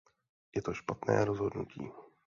Je to špatné rozhodnutí.